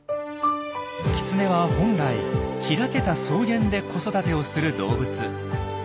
キツネは本来開けた草原で子育てをする動物。